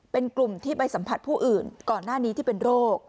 เป็นกลุ่มที่ไปสัมผัสผู้อื่นก่อนหน้านี้ที่เป็นโรค